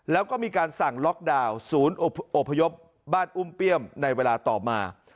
แล้วก็มีการสั่งล็อกดาวน์ศูนย์อบพยพบ้านอุ้มเปี้ยมในเวลาต่อมา